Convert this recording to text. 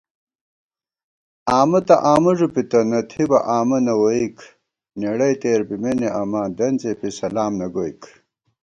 آمہ تہ آمہ ݫُپِتہ، نہ تھِبہ آمہ نہ ووئیک * نېڑَئی تېر بِمېنے اماں دن څېپی سلام نہ گوئیک